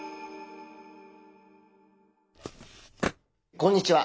こんにちは。